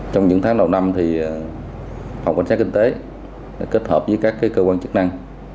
trong những tháng đầu năm phòng cảnh sát kinh tế kết hợp với các cơ quan chức năng